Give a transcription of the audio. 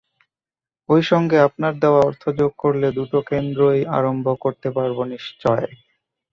ঐ সঙ্গে আপনার দেওয়া অর্থ যোগ করলে দুটো কেন্দ্রই আরম্ভ করতে পারব নিশ্চয়।